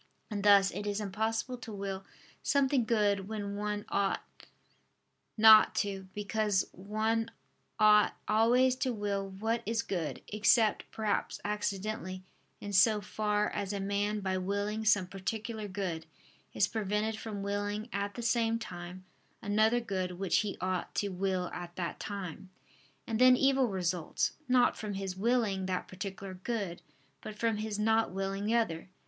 And thus, it is impossible to will something good when one ought not to, because one ought always to will what is good: except, perhaps, accidentally, in so far as a man by willing some particular good, is prevented from willing at the same time another good which he ought to will at that time. And then evil results, not from his willing that particular good, but from his not willing the other.